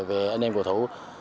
về anh em cổ thủ